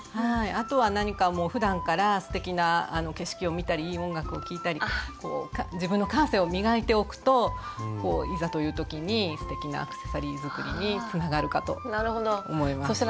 あとは何かもうふだんからすてきな景色を見たりいい音楽を聴いたり自分の感性を磨いておくといざという時にすてきなアクセサリー作りにつながるかと思います。